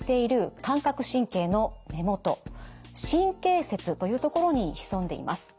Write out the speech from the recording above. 神経の根元神経節というところに潜んでいます。